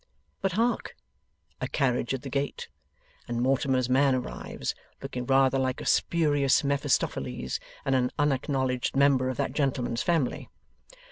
But, hark! A carriage at the gate, and Mortimer's man arrives, looking rather like a spurious Mephistopheles and an unacknowledged member of that gentleman's family.